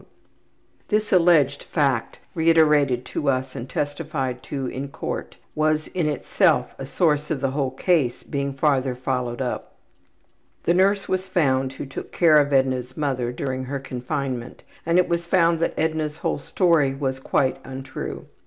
'' This alleged fact, reiterated to us and testified to in the court, was in itself a source of the whole case being farther followed up. The nurse was found who took care of Edna's ``mother'' during her confinement and it was found that Edna's whole story was quite untrue.